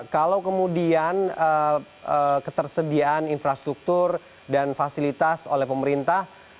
kalau kemudian ketersediaan infrastruktur dan fasilitas oleh pemerintah